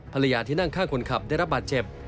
ภรรยาที่นั่งข้างคนขับได้รับบาดเจ็บ